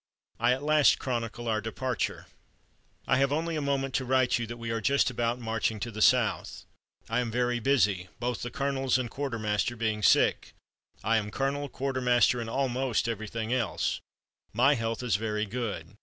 I at last chronicle our departure: "I have only a moment to write you that we are just about marching to the South. I am very busy, both the colonels and quartermaster being sick. I am colonel, quartermaster, and almost everything else. My health is very good.